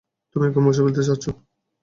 তুমি ওকেই মুছে ফেলতে চাচ্ছ।